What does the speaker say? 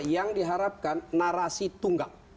yang diharapkan narasi tunggal